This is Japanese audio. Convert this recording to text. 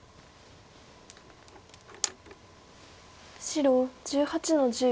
白１８の十。